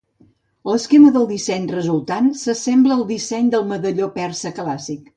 L'esquema de disseny resultant s'assembla al disseny del medalló persa clàssic.